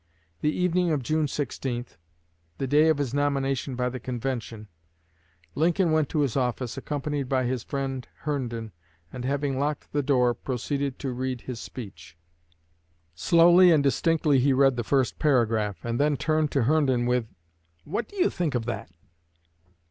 The evening of June 16 the day of his nomination by the convention Lincoln went to his office, accompanied by his friend Herndon, and having locked the door proceeded to read his speech. Slowly and distinctly he read the first paragraph, and then turned to Herndon with, "What do you think of that?"